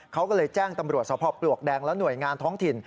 เขาก็เลยแจ้งตำรวจสพปลวกแดงและหน่วยงานท้องถิ่น